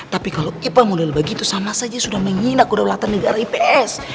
tapi kalau ipa model begitu sama saja sudah menghina kuda latar negara ips